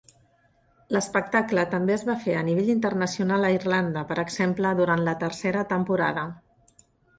L"espectable també es va fer a nivell internacional a Irlanda, per exemple, durant la Tercera temporada.